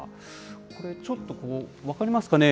これちょっと、分かりますかね？